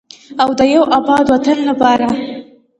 او د یو اباد وطن لپاره.